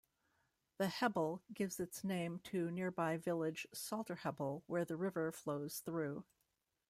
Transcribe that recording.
The Hebble gives its name to nearby village Salterhebble, where the river flows through.